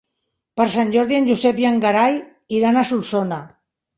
Per Sant Jordi en Josep i en Gerai iran a Solsona.